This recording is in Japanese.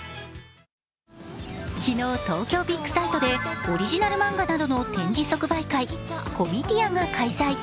昨日、東京ビッグサイトでオリジナル漫画などの展示即売会、コミティアが開催。